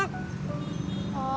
oh ini dia